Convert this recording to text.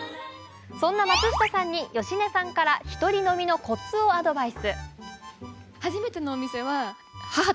そんな松下さんに芳根さんから一人飲みのこつをアドバイス。